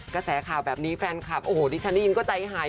กระแสข่าวแบบนี้แฟนคลับโอ้โหดิฉันได้ยินก็ใจหาย